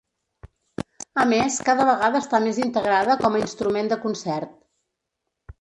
A més, cada vegada està més integrada com a instrument de concert.